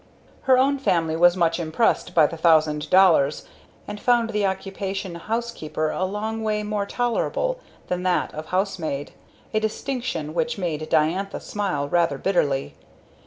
Her own family was much impressed by the thousand dollars, and found the occupation of housekeeper a long way more tolerable than that of house maid, a distinction which made Diantha smile rather bitterly.